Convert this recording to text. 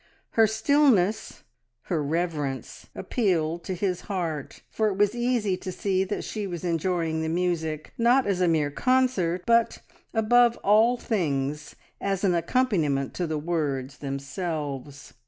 Her stillness, her reverence appealed to his heart, for it was easy to see that she was enjoying the music not as a mere concert, but, above all things, as an accompaniment to the words themselves.